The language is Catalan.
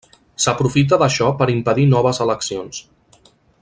S'aprofita d'això per impedir noves eleccions.